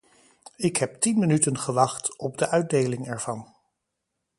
Ik heb tien minuten gewacht op de uitdeling ervan.